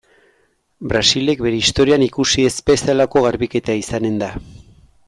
Brasilek bere historian ikusi ez bezalako garbiketa izanen da.